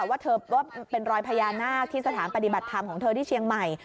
ว่าเธอว่าเป็นรอยพญานาคที่สถานปฏิบัติธรรมของเธอที่เชียงใหม่